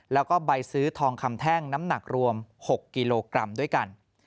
แล้วก็ใบซื้อทองคำแท่งน้ำหนักรวม๖กิโลกรัมด้วยกัน